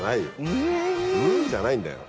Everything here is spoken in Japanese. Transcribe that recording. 「うん」じゃないんだよ。